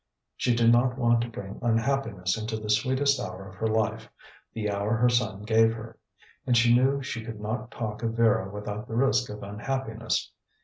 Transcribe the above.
She did not want to bring unhappiness into the sweetest hour of her life, the hour her son gave her; and she knew she could not talk of Vera without the risk of unhappiness.